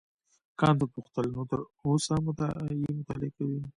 کانت وپوښتل نو تر اوسه یې مطالعه کوې.